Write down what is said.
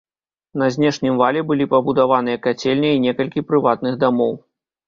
На знешнім вале былі пабудаваныя кацельня і некалькі прыватных дамоў.